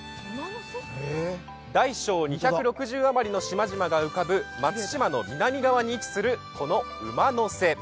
大小２６０余りの島々が浮かぶ松島の南側に位置する馬の背。